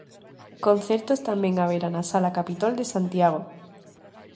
Concertos tamén haberá na Sala Capitol de Santiago.